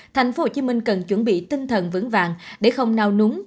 thành phố hồ chí minh cần chuẩn bị tinh thần vững vàng để không nào núng